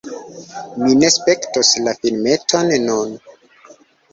Mi ne spektos la filmeton nun